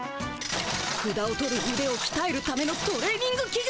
ふだを取るうでをきたえるためのトレーニングき具。